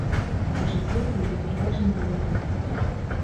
У чацвер будзе пераважна без ападкаў.